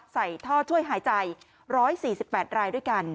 ใส่ท่อช่วยหายใจ๑๔๘รายด้วยกัน